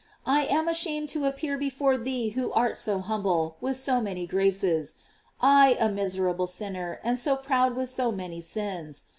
I am ashamed to appear before thee who art so humble, with so many graces; I, a miserable sinner, and so proud with so many Bins.